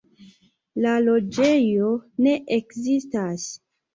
La loĝejo ne ekzistas.